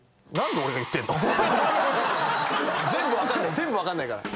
全部分かんないから。